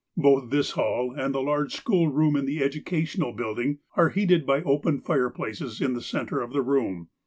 Both this hall and the large schoolroom in the educational building are heated by open fireplaces in the centre of the room.